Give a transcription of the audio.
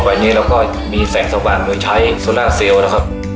ต่อไปนี้เราก็มีแสงสว่างเหมือนใช้โซล่าเซลนะครับ